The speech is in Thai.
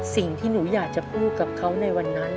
สิ่งที่หนูอยากจะพูดกับเขาในวันนั้น